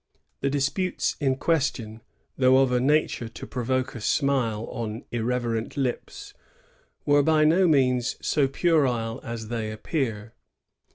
The disputes in question, though of a nature to provoke a smile on irreverent lips, were by no means so puerile as they appear.